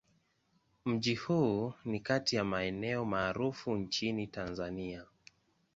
Mji huu ni kati ya maeneo maarufu nchini Tanzania.